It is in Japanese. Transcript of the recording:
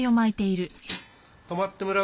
泊まってもらうよ。